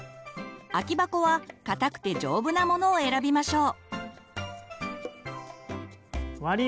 空き箱は硬くて丈夫なモノを選びましょう。